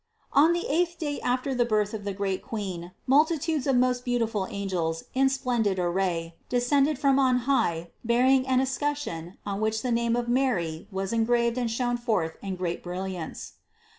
336. On the eighth day after the birth of the great Queen multitudes of most beautiful angels in splendid array descended from on high bearing an escutcheon on which the name of MARY was engraved and shone forth in great brilliancy.